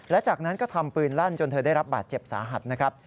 และจากนั้นก็ทำปืนลั่นจนเธอได้รับบาดเจ็บสาหัสนะครับ